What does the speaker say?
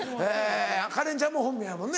カレンちゃんも本名やもんね。